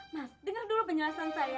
mas dengar dulu penjelasan saya